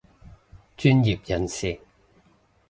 專業人士